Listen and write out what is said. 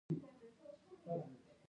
خور له بې ادبيو کرکه لري.